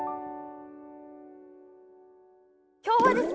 今日はですね